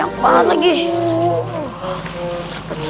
rasulullah saw kayak gini ya allah